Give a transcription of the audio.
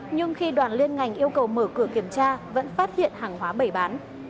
nhưng khi đoàn liên ngành yêu cầu mở cửa kiểm tra vẫn phát hiện hàng hóa bày bán